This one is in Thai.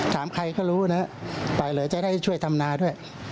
ถ้าไปเป็นรถทัวร์อันนี้หลับไหว